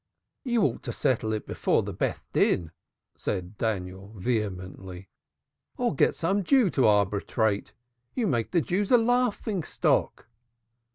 "You ought to settle it before the Beth din," said Daniel vehemently, "or get some Jew to arbitrate. You make the Jews a laughing stock.